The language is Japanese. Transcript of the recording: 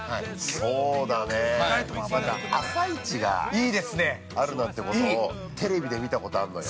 ◆そうだね、朝市があるなんてことをテレビで見たことあるのよ。